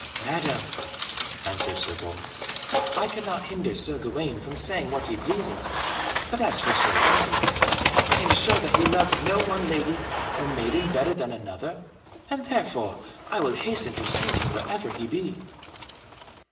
"Madam," answered Sir Bors, "I cannot hinder Sir Gawaine from saying what he pleases, but as for Sir Lancelot, I am sure that he loves no one lady or maiden better than another. And therefore I will hasten to seek him wherever he be."